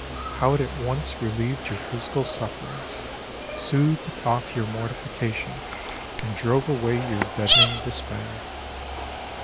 How it at once relieved your physical sufferings, soothed off your mortification and drove away your deadening despair!